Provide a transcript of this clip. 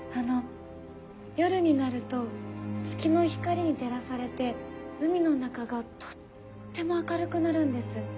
夜になると月の光に照らされて海の中がとっても明るくなるんです。